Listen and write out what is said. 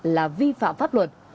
là vi phạm pháp luật